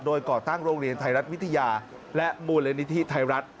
โดยก่อตั้งโรงเรียนไทยรัฐวิทยาและมูลนิธิไทยรัฐ